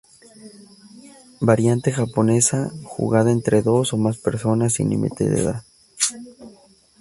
Variante japonesa jugada entre dos o más personas, sin límite de edad.